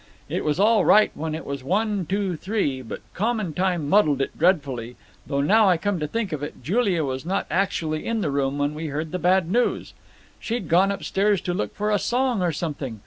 It was all right when it was one, two, three, but common time muddled it dreadfully, though now I come to think of it, Julia was not actually in the room when we heard the bad news. She'd gone upstairs to look for a song or something.